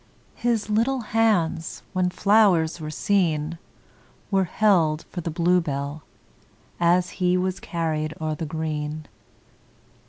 His little hands, when flowers were seen, Were held for the bluebell, As he was carried o'er the green.